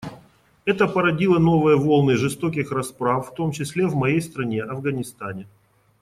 Это породило новые волны жестоких расправ, в том числе в моей стране, Афганистане.